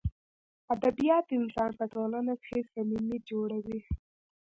ادبیات انسان په ټولنه کښي صمیمي جوړوي.